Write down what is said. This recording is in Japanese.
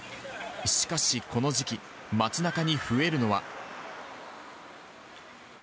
しかしこの時期、街なかに増えるのは。